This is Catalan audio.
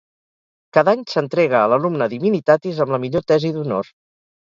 Cada any s'entrega a l'alumne Divinitatis amb la millor tesi d'honor.